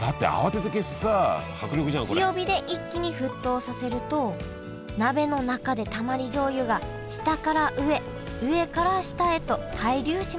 強火で一気に沸騰させると鍋の中でたまり醤油が下から上上から下へと対流します。